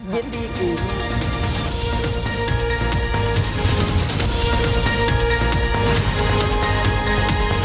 ยินดีค่ะ